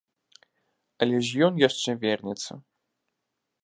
Але ж ён яшчэ вернецца.